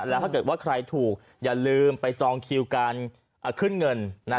แล้วถ้าเกิดว่าใครถูกอย่าลืมไปจองคิวการขึ้นเงิน